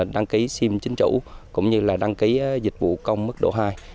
đăng ký sim chính chủ cũng như là đăng ký dịch vụ công mức độ hai